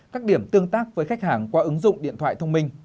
các điểm tương tác với khách hàng qua ứng dụng điện thoại thông minh